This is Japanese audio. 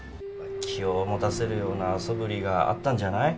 気を持たせるようなそぶりがあったんじゃない？